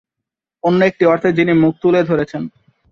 অন্য একটি অর্থে, যিনি মুখ তুলে ধরেছেন।